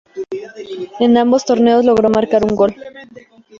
En ambos torneos logró marcar un gol.